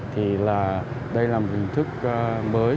thì đây là một hình thức mới